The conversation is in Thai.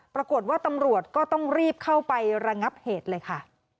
ปรากฏว่าตำรวจก็ต้องรีบเข้าไประงับเหตุเลยค่ะ